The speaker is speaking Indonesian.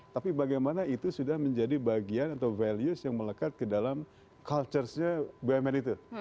tapi bagaimana itu sudah menjadi bagian atau values yang melekat ke dalam culturesnya bumn itu